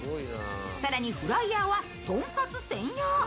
更にフライヤーはとんかつ専用。